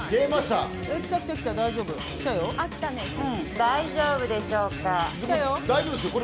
大丈夫でしょうか。